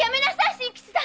真吉さん。